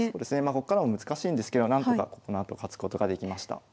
こっからは難しいんですけどなんとかこのあと勝つことができました。